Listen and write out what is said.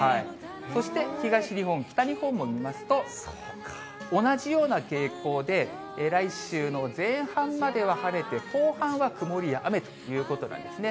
そして東日本、北日本を見ますと、同じような傾向で、来週の前半までは晴れて、後半は曇りや雨ということなんですね。